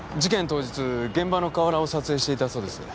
当日現場の河原を撮影していたそうです。